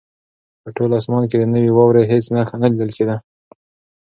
په ټول اسمان کې د نوې واورې هېڅ نښه نه لیدل کېده.